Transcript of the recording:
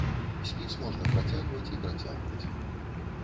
Спіс можна працягваць і працягваць.